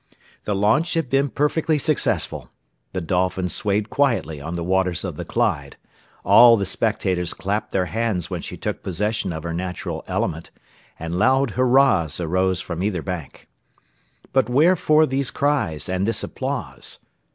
The launch had been perfectly successful, the Dolphin swayed quietly on the waters of the Clyde, all the spectators clapped their hands when she took possession of her natural element, and loud hurrahs arose from either bank. But wherefore these cries and this applause?